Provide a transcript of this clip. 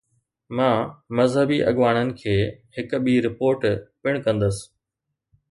مان مذهبي اڳواڻن کي هڪ ٻي رپورٽ پڻ ڪندس.